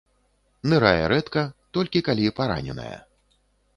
Нырае рэдка, толькі калі параненая.